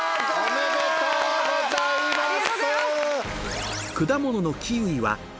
ありがとうございます。